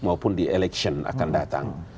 maupun di election akan datang